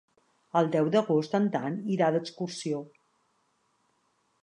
El deu d'agost en Dan irà d'excursió.